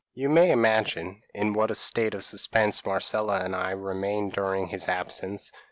p> "You may imagine in what a state of suspense Marcella and I remained during his absence.